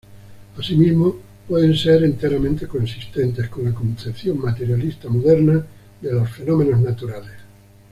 Asimismo, pueden ser enteramente consistentes con la concepción materialista moderna de los fenómenos naturales.